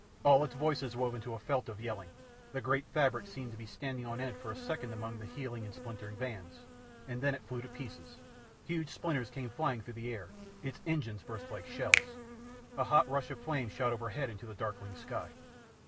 All its voices wove into a felt of yelling. The great fabric seemed to be standing on end for a second among the heeling and splintering vans, and then it flew to pieces. Huge splinters came flying through the air, its engines burst like shells. A hot rush of flame shot overhead into the darkling sky.